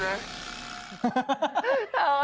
เมื่อกี้พูดอะไรนะ